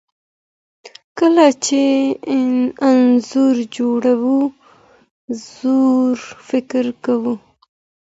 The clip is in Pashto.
کله چې انځور جوړوو ژور فکر کوو.